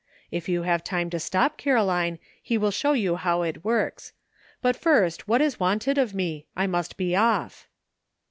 If you have time to stop, Caroline, he will show you how it works. But first, what is wanted of me? I must be off."